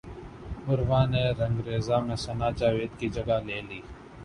عروہ نے رنگریزا میں ثناء جاوید کی جگہ لے لی